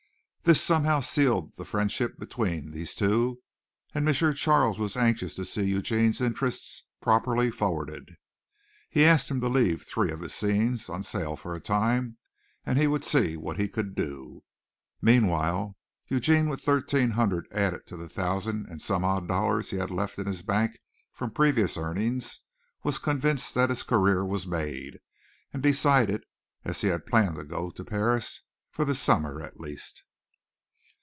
This somehow sealed the friendship between these two, and M. Charles was anxious to see Eugene's interests properly forwarded. He asked him to leave three of his scenes on sale for a time and he would see what he could do. Meanwhile, Eugene, with thirteen hundred added to the thousand and some odd dollars he had left in his bank from previous earnings, was convinced that his career was made, and decided, as he had planned to go to Paris, for the summer at least.